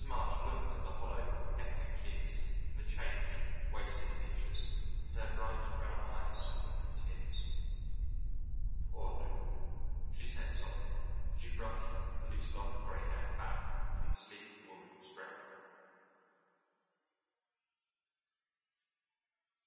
March looked at the hollow, hectic cheeks and the changed, wasted features, and her bright brown eyes softened with tears. "Poor Lou," she said softly, as she brushed a loose lock of grey hair back from the sleeping woman's brow.